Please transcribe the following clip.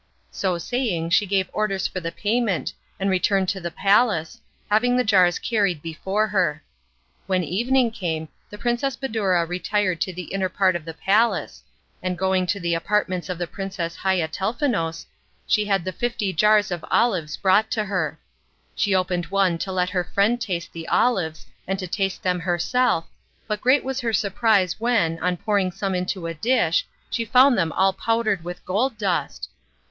So saying she gave orders for the payment and returned to the palace, having the jars carried before her. When evening came the Princess Badoura retired to the inner part of the palace, and going to the apartments of the Princess Haiatelnefous she had the fifty jars of olives brought to her. She opened one to let her friend taste the olives and to taste them herself, but great was her surprise when, on pouring some into a dish, she found them all powdered with gold dust.